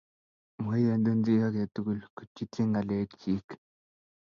Maiyanji chi age tugul kochutyi ngalek chi